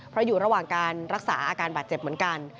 เพราะอยู่ระหว่างการรักษาอาการบาดเจ็บเหมือนกัน